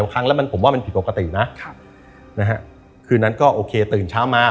กว่านั้นก็โอเคตื่นเช้ามา